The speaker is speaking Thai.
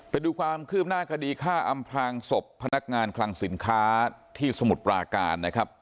ไปดูความคืบหน้าคดีฆ่าอำพลางศพพนักงานคลังสินค้าที่สมุทรปราการนะครับ